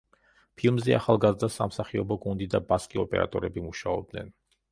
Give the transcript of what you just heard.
ფილმზე ახალგაზრდა სამსახიობო გუნდი და ბასკი ოპერატორები მუშაობდნენ.